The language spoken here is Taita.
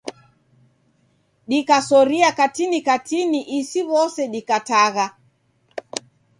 Dikasoria katini katini isiw'ose ghikatagha.